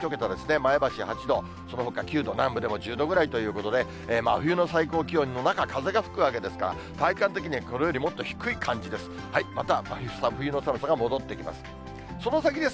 前橋８度、そのほか９度、南部でも１０度ぐらいということで、真冬の最高気温の中、風が吹くわけですから、体感的にはこれよりもっと低い感じです。